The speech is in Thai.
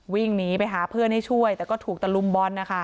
วิ่งหนีไปหาเพื่อนให้ช่วยแต่ก็ถูกตะลุมบอลนะคะ